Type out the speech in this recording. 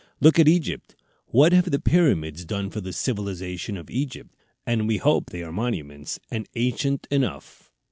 Look at Egypt; what have the Pyramids done for the civilization of Egypt? and we hope they are monuments, and ancient enough.